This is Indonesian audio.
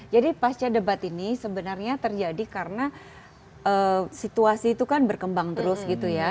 jadi pasca debat ini sebenarnya terjadi karena situasi itu kan berkembang terus gitu ya